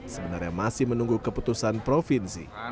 sebenarnya masih menunggu keputusan provinsi